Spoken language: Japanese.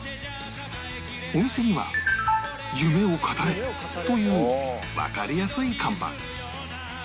お店には「夢を語れ」というわかりやすい看板